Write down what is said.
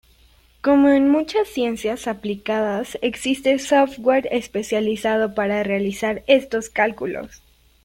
Como en muchas ciencias aplicadas, existe software especializado para realizar estos cálculos.